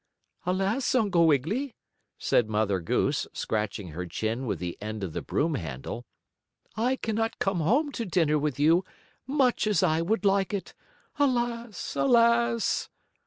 "Alas, Uncle Wiggily," said Mother Goose, scratching her chin with the end of the broom handle, "I cannot come home to dinner with you much as I would like it. Alas! Alas!"